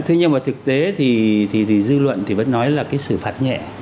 thế nhưng mà thực tế thì dư luận thì vẫn nói là cái xử phạt nhẹ